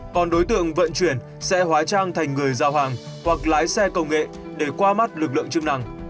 còn đối tượng vận chuyển sẽ hóa trang thành người giao hàng hoặc lái xe công nghệ để qua mắt lực lượng chức năng